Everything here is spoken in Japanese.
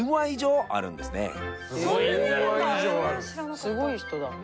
すごい人だ。